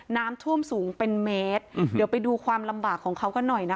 น้ำท่วมสูงเป็นเมตรเดี๋ยวไปดูความลำบากของเขากันหน่อยนะคะ